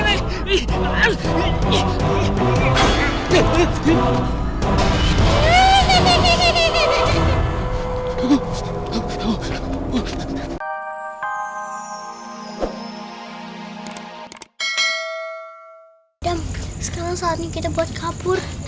sekarang saatnya kita buat kapur